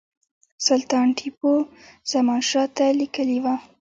سلطان ټیپو زمانشاه ته لیکلي وه.